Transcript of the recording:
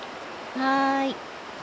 はい。